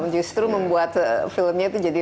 justru membuat filmnya itu jadi